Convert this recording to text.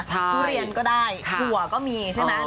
ทุเรียนก็ได้ถั่วก็มีใช่ไหม